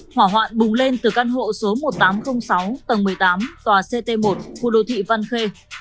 hỏa hoạn bùng lên từ căn hộ số một nghìn tám trăm linh sáu tầng một mươi tám tòa ct một khu đô thị văn khê